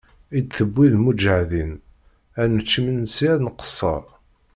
I d-tewwi d lmuǧahdin, ad nečč imensi ad nqesser.